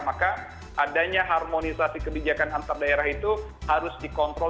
maka adanya harmonisasi kebijakan antar daerah itu harus dikontrol